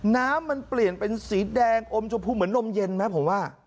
น้ำมันเปลี่ยนเป็นสีแดงอมชมพูเหมือนนมเย็นไหมผมว่า